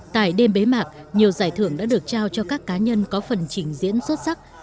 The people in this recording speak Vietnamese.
tại đêm bế mạc nhiều giải thưởng đã được trao cho các cá nhân có phần trình diễn xuất sắc